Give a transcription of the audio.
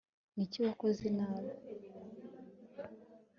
niki wakoze nabi